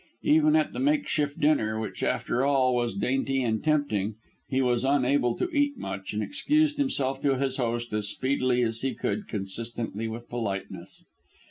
Even at the makeshift dinner, which after all was dainty and tempting, he was unable to eat much, and excused himself to his host as speedily as he could consistently with politeness.